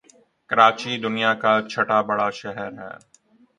کراچی دنیا کاچهٹا بڑا شہر ہے